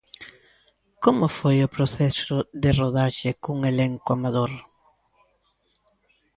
Como foi o proceso de rodaxe cun elenco amador?